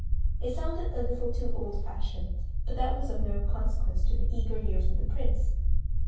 It sounded a little too old fashioned, but that was of no consequence to the eager ears of the Prince.